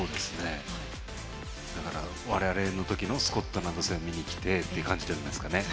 だから、我々の時のスコットランド戦見にきてっていう感じじゃないですかね。